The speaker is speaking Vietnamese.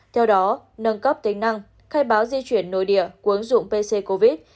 theo đó nâng cấp tính năng khai báo di chuyển nội địa qua ứng dụng pc covid